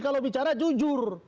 kalau bicara jujur